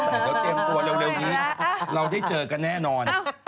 แต่เดี๋ยวเตรียมตัวเร็วนี้เราได้เจอกันแน่นอน